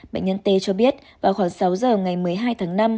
bệnh nhân t cho biết vào khoảng sáu giờ ngày một mươi hai tháng năm